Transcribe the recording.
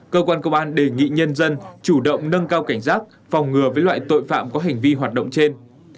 cơ quan công an đề nghị nhân dân chủ động nâng cao cảnh giác phòng ngừa với loại tội phạm có hành vi hoạt động trên